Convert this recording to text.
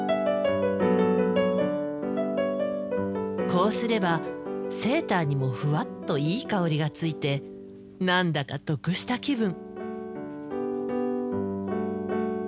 こうすればセーターにもフワッといい香りがついて何だか得した気分。